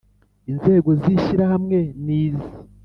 Inzego z ishyirahamwe n izi